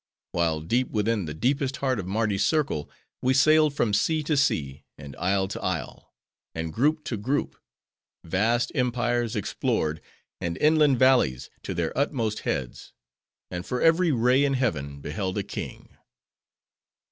— while deep within the deepest heart of Mardi's circle, we sailed from sea to sea; and isle to isle; and group to group;—vast empires explored, and inland valleys, to their utmost heads; and for every ray in heaven, beheld a king.